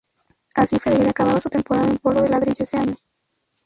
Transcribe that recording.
Así Federer acababa su temporada en polvo de ladrillo ese año.